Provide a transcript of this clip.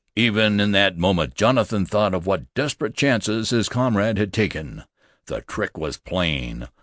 Even in that moment Jonathan thought of what desperate chances his comrade had taken. The trick was plain.